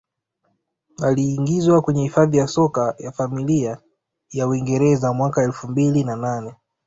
Aliingizwa kwenye Hifadhi ya Soka ya Familia ya Uingereza mwaka elfu mbili na nane